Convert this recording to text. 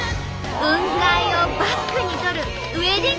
雲海をバックに撮るウエディングフォトも大人気。